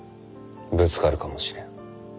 ぶつかるかもしれん。